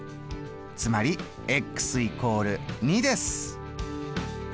つまり＝２です。